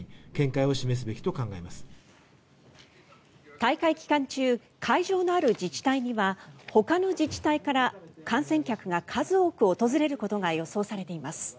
大会期間中会場のある自治体にはほかの自治体から観戦客が数多く訪れることが予想されています。